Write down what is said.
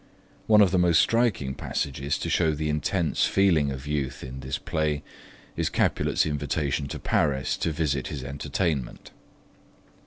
One of the most striking passages to show the intense feeling of youth in this play is Capulet's invitation to Paris to visit his entertainment.